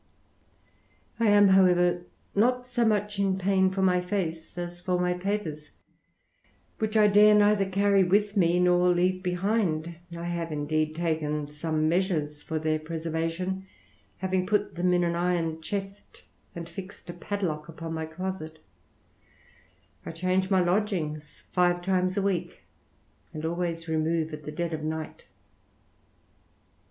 I im, however, not so much in pain for my face as for "^y papers, which I dare neither carry with me nor leave '■shind. I have, indeed, taken some measures for their Preservation, having put them in an iron chest, and fixed a P'dlock upon my closet I change my lodgings five times ' *eek, and always remove at the dead of night.